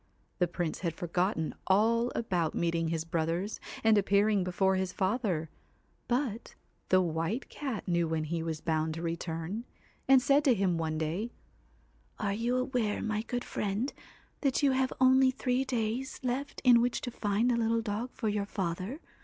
The Prince had forgotten all about meeting his brothers, and appearing before his father, but the White Cat knew when he was bound to return, and said to him one day 'Are you aware, my good friend, that you have only three days left in which to find a little dog for your father